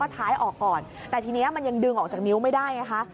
ท้ายออกก่อนแต่ทีนี้มันยังดึงออกจากนิ้วไม่ได้ไงคะ